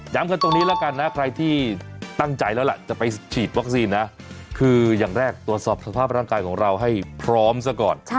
กันตรงนี้แล้วกันนะใครที่ตั้งใจแล้วล่ะจะไปฉีดวัคซีนนะคืออย่างแรกตรวจสอบสภาพร่างกายของเราให้พร้อมซะก่อน